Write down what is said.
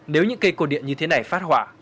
nếu những cây cổ điện như thế này phát hỏa